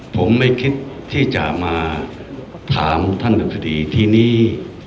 ผมไม่คิดที่จะมาถามท่านหนึ่งคดีทีนี้